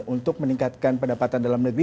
untuk meningkatkan pendapatan dalam negeri